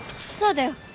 そうだよ。